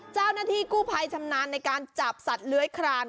เจ้าหน้าที่กู้ภัยชำนาญในการจับสัตว์เลื้อยคลาน